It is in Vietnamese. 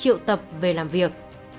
điều tập về làm việc